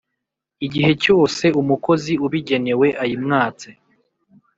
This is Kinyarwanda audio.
igihe cyose umukozi ubigenewe ayimwatse.